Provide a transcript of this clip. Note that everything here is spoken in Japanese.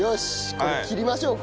これ切りましょうか。